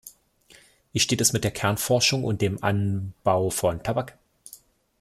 Wie steht es mit der Kernforschung und dem Anbau von Tabak?